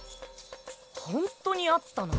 ほんとにあったな。